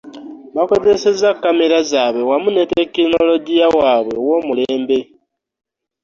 Baakozesezza kkamera zaabwe wamu ne tekinologiya waabwe ow'omulembe